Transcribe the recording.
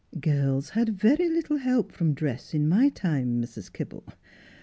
Girls had very little help from dress in my time, Mrs. Kibble.